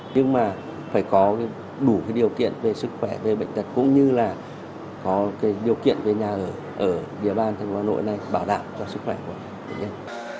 nhưng mà phải có đủ điều kiện về sức khỏe về bệnh thật cũng như là có điều kiện về nhà ở địa bàn hà nội này bảo đảm cho sức khỏe của bệnh nhân